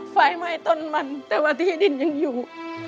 ไฟไหม้ต้นมันแต่ว่าที่ดินยังอยู่